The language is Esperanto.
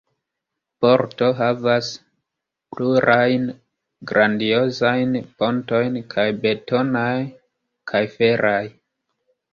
Porto havas plurajn grandiozajn pontojn – kaj betonaj, kaj feraj.